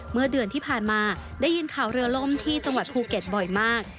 เมื่อเดือนที่ผ่านมาได้ยินข่าวเรือล่มที่จังหวัดภูเก็ตบ่อยมาก